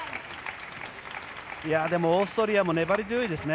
オーストリアも粘り強いですね